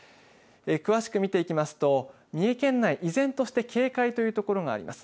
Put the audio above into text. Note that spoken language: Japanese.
詳しく見ていきますと、三重県内、依然として警戒という所があります。